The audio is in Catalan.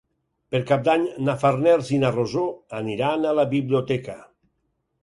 Per Cap d'Any na Farners i na Rosó aniran a la biblioteca.